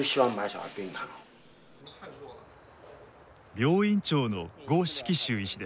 病院長の呉式医師です。